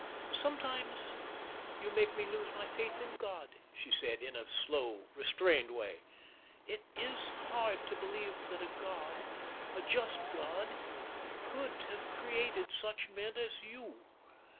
"Sometimes you make me lose my faith in God," she said, in a slow, restrained way. "It is hard to believe that a God, a just God, could have created such men as you."